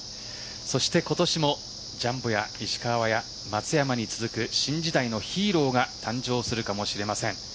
今年もジャンボや石川や松山に続く新時代のヒーローが誕生するかもしれません。